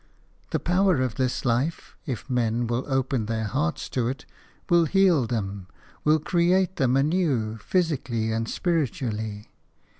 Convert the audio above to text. The power of this life, if men will open their hearts to it, will heal them, will create them anew, physically and spiritually.